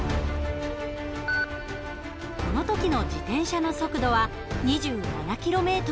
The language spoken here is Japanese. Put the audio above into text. この時の自転車の速度は２７ｋｍ。